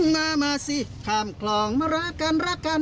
มาสิข้ามคลองมาลากัน